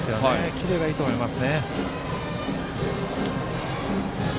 キレがいいと思います。